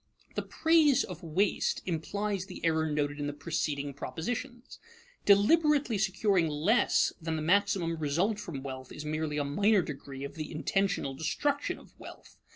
The praise of waste implies the error noted in the preceding propositions. Deliberately securing less than the maximum result from wealth is merely a minor degree of the intentional destruction of wealth.